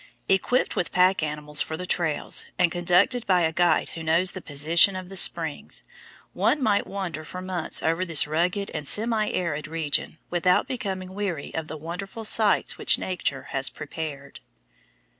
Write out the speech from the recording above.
Equipped with pack animals for the trails, and conducted by a guide who knows the position of the springs, one might wander for months over this rugged and semi arid region without becoming weary of the wonderful sights which Nature has prepared.